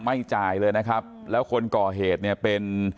ไม่จ่ายเลยนะครับแล้วคนก่อเหตุเนี่ยเป็น